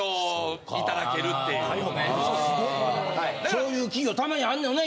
そういう企業たまにあんのよね。